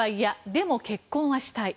でも結婚はしたい。